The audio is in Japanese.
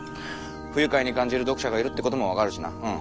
不愉快に感じる読者がいるってことも分かるしなうん。